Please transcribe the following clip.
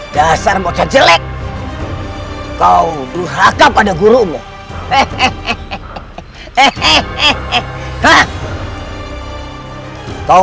dan aku menjadi sakti mandagunya